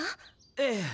ええ。